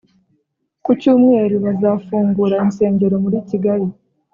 Kucyumweru bazafungura insengero muri Kigali